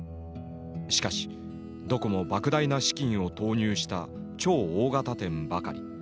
しかしどこもばく大な資金を投入した超大型店ばかり。